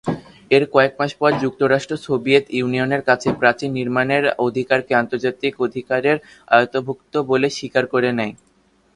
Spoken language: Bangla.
এর কয়েকমাস পর যুক্তরাষ্ট্র সোভিয়েত ইউনিয়নের কাছে প্রাচীর নির্মাণের অধিকারকে আন্তর্জাতিক অধিকারের আওতাভুক্ত বলে স্বীকার করে নেয়।